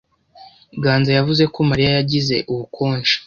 Ganza yavuze ko Mariya yagize ubukonje.